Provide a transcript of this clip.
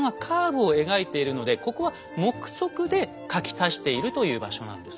ここは目測で描き足しているという場所なんです。